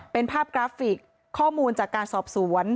เป็นภาพกราฟิกข้อมูลจากการสอบสวน